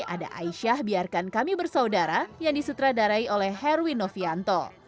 ada aisyah biarkan kami bersaudara yang disutradarai oleh herwin novianto